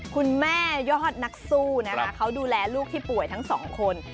ยอดนักสู้นะคะเขาดูแลลูกที่ป่วยทั้งสองคน